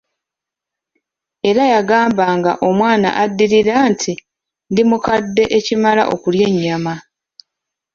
Era yagambanga omwana addirira nti, ndi mukadde ekimala okulya ennyama.